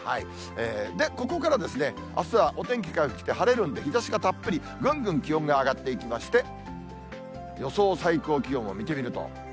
で、ここからあすはお天気回復して、晴れるんで、日ざしがたっぷり、ぐんぐん気温が上がっていきまして、予想最高気温を見てみると。